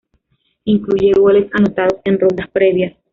Incluye goles anotados en rondas previas.